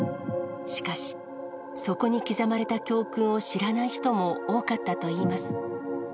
しかし、そこに刻まれた教訓を知らない人も多かったといいます。